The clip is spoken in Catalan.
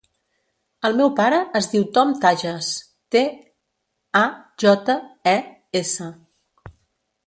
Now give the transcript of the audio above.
El meu pare es diu Tom Tajes: te, a, jota, e, essa.